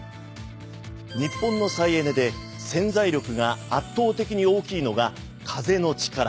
日本の再エネで潜在力が圧倒的に大きいのが風の力。